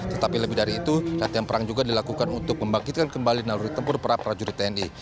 tetapi lebih dari itu latihan perang juga dilakukan untuk membangkitkan kembali naluri tempur prajurit tni